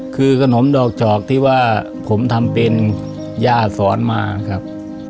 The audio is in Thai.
คือขนมดอกจอกที่ว่าผมทำเป็นย่าสอนมาครับ